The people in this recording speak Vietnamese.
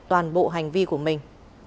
toàn bộ hành vi của mình